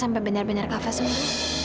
sampai benar benar kava semuanya